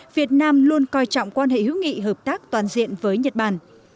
việt nam luôn coi trọng quan hệ hữu nghị hợp tác toàn diện với nhật bản